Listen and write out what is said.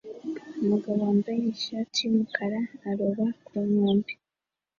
Umugabo wambaye ishati yumukara aroba ku nkombe